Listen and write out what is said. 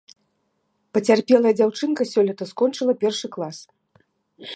Пацярпелая дзяўчынка сёлета скончыла першы клас.